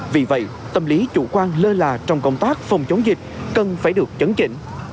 vì vậy tâm lý chủ quan lơ là trong công tác phòng chống dịch cần phải được chấn chỉnh